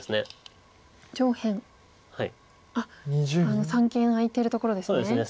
あの三間空いてるところですね。